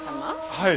はい。